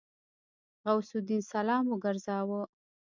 غوث الدين سلام وګرځاوه.